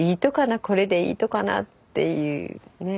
これでいいとかな？っていうねえ